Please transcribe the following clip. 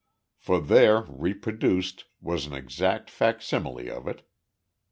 For there reproduced, was an exact facsimile of it.